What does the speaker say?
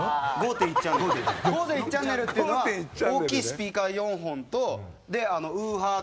５．１ｃｈっていうのは大きいスピーカー４本とでウーファーと。